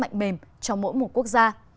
nước mạnh mềm cho mỗi một quốc gia